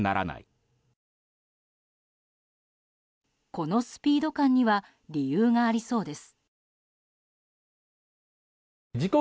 このスピード感には理由がありそうです。